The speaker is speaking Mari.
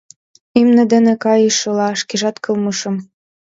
Имне дене кайышыла, шкежат кылмышым.